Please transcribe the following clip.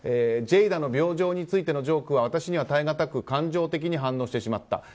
ジェイダの病状についてのジョークは私には耐えがたく感情的に反応してしまった。